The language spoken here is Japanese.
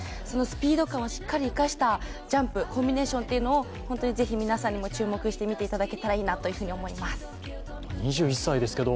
そのスピード感をしっかり生かしたジャンプ、コンビネーションを是非皆さんにも注目していただけたらいいなと思います。